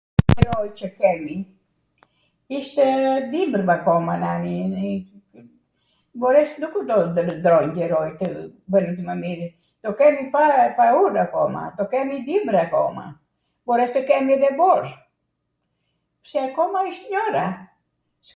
qeroi qw kemi, ishtw dimwr akoma nani, mbores nwkw do tw ndroj qeroi, tw bwnet mw mirw, kemi pa.. paurw akoma, do kemi dimrw akoma, mbores tw kemi edhe bor, pse akoma isht njwra.